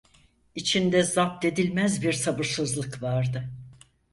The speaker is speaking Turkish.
İçinde zapt edilmez bir sabırsızlık vardı.